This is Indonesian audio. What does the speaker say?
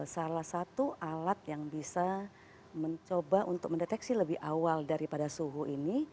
salah satu alat yang bisa mencoba untuk mendeteksi lebih awal daripada suhu ini